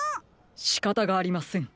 しかたがありません。